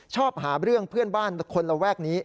ชอบหาเรื่องเพื่อนบ้านคนระแวกนี้